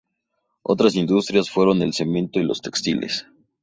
Otras industrias fueron el cemento y los textiles.